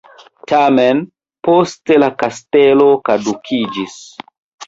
Tamen poste la kastelo kadukiĝis.